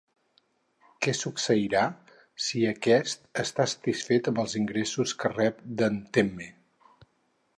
Què succeirà si aquest està satisfet amb els ingressos que rep d'en Temme?